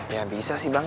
ya bisa sih bang